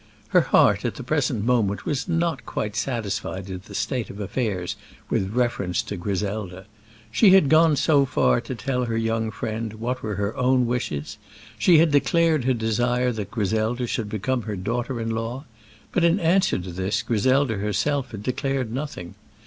Her heart at the present moment was not quite satisfied at the state of affairs with reference to Griselda. She had gone so far as to tell her young friend what were her own wishes; she had declared her desire that Griselda should become her daughter in law; but in answer to this Griselda herself had declared nothing.